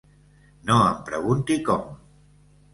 No em pregunti com.